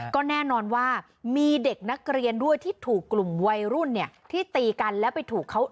ก็แน่นอนว่ามีเด็กนักเรียนด้วยที่ถูกกลุ่มวัยรุ่นเนี่ยที่ตีกันแล้วไปถูกเขา